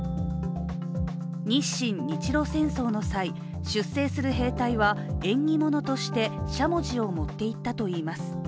日清・日露戦争の際、出征する兵隊は、縁起物としてしゃもじを持っていったといいます。